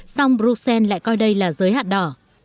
song bruxelles lại coi đây là giới hạn đỏ